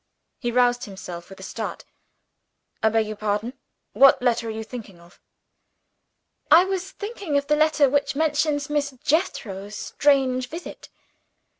He roused himself with a start. "I beg your pardon. What letter are you thinking of?" "I was thinking of the letter which mentions Miss Jethro's strange visit.